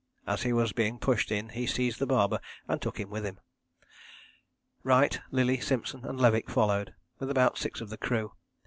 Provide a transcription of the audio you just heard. As he was being pushed in he seized the barber and took him with him. Wright, Lillie, Simpson and Levick followed, with about six of the crew.